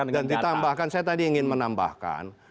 dan ditambahkan saya tadi ingin menambahkan